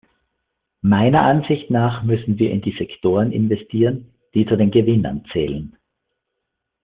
Meiner Ansicht nach müssen wir in die Sektoren investieren, die zu den Gewinnern zählen.